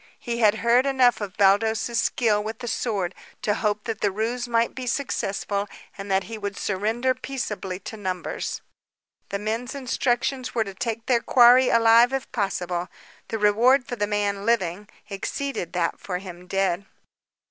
He had heard enough of Baldos's skill with the sword to hope that the ruse might be successful and that he would surrender peaceably to numbers. The men's instructions were to take their quarry alive if possible. The reward for the man, living, exceeded that for him dead.